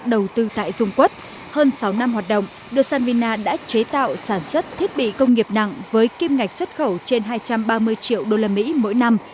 đầu tư tại dung quất hơn sáu năm hoạt động devina đã chế tạo sản xuất thiết bị công nghiệp nặng với kim ngạch xuất khẩu trên hai trăm ba mươi triệu usd mỗi năm